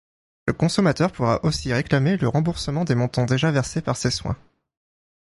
Le consommateur pourra aussi réclamer le remboursement des montants déjà versés par ses soins.